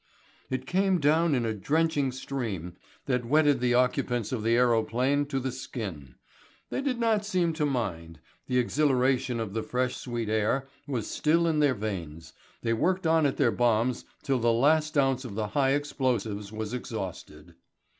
It came down in a drenching stream that wetted the occupants of the aerophane to the skin. They did not seem to mind. The exhilaration of the fresh sweet air was still in their veins, they worked on at their bombs till the last ounce of the high explosives was exhausted.